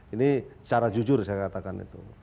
ini cara jujur saya katakan itu